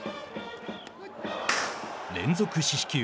連続四死球。